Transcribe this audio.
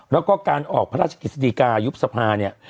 แล้วก็การออกพระราชกฤษฎีกายุบสภาเนี่ย